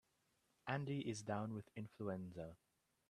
Andy is down with influenza.